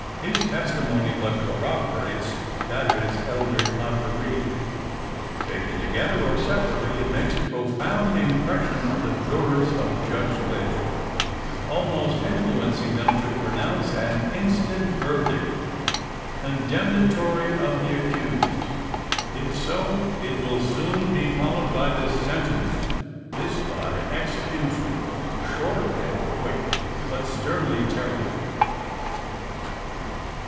His testimony but corroborates that of his elder confrere. Taken together, or separately, it makes profound impression on the jurors of Judge Lynch; almost influencing them to pronounce an instant verdict, condemnatory of the accused. If so, it will soon be followed by the sentence; this by execution, short and quick, but sternly terrible!